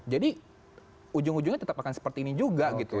jadi ujung ujungnya tetap akan seperti ini juga gitu